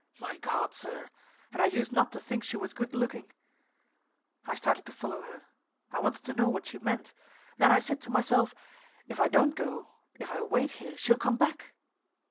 My God sir, and I used not to think she was good looking! I started to follow her. I wanted to know what she meant. Then I said to myself, "If I don't go if I wait here she'll come back."